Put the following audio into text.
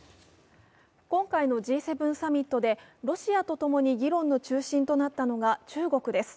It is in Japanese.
今回のＧ７サミットでロシアと共に議論の中心となったのが中国です。